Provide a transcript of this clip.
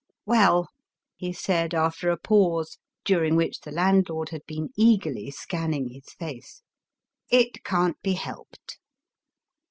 ''Well," he said, after a pause, during which the landlord had been eagerly scanniug his face, " it can't be helped."